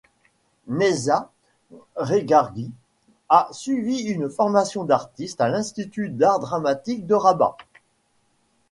Nezha Regargui a suivi une formation d'artiste à l'Institut d'art dramatique de Rabat.